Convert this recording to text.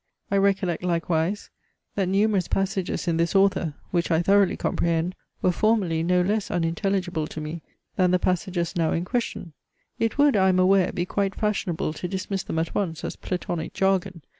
I recollect likewise, that numerous passages in this author, which I thoroughly comprehend, were formerly no less unintelligible to me, than the passages now in question. It would, I am aware, be quite fashionable to dismiss them at once as Platonic jargon.